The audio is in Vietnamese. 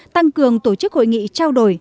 tăng cường tổ chức hội nghị trao đổi